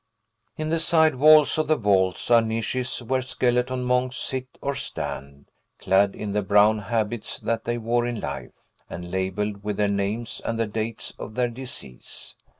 In the side walls of the vaults are niches where skeleton monks sit or stand, clad in the brown habits that they wore in life, and labelled with their names and the dates of their decease.